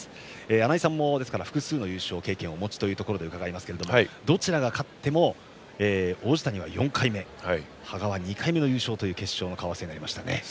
穴井さんも、ですから複数の優勝経験をお持ちということで、伺いますがどちらが勝っても王子谷は４回目羽賀は２回目の優勝という決勝の顔合わせです。